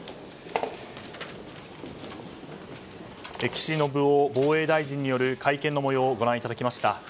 岸信夫防衛大臣による会見の模様をご覧いただきました。